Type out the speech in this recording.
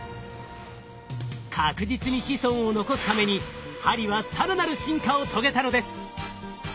確実に子孫を残すために針は更なる進化を遂げたのです。